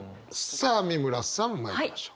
さあ美村さんまいりましょう。